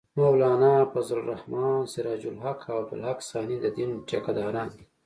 مولانا فضل الرحمن ، سراج الحق او عبدالحق ثاني د دین ټېکه داران دي